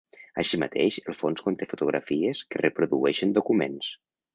Així mateix el fons conté fotografies que reprodueixen documents.